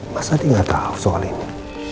masa dia gak tau soal ini